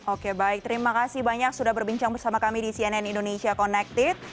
oke baik terima kasih banyak sudah berbincang bersama kami di cnn indonesia connected